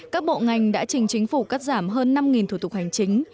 các bộ ngành đã trình chính phủ cắt giảm hơn năm thủ tục hành chính